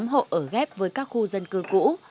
tám hộ ở ghép với các khu dân cư cũ